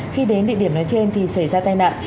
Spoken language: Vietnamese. khi đến địa điểm nói trên thì xảy ra tai nạn